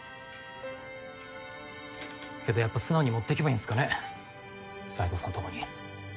けどやっぱ素直に持っていけばいいんすかね斎藤さんとこに。